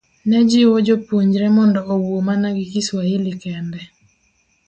ne jiwo jopuonjre mondo owuo mana gi Kiswahili kende.